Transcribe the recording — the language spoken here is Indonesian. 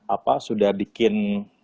apa sudah bikin